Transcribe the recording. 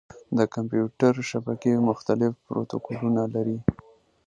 د کمپیوټر شبکې مختلف پروتوکولونه لري.